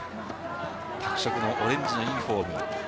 拓殖のオレンジのユニホーム。